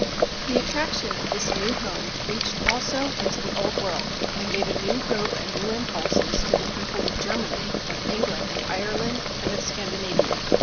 The attraction of this new home reached also into the Old World and gave a new hope and new impulses to the people of Germany, of England, of Ireland, and of Scandinavia.